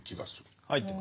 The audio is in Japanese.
入ってますね。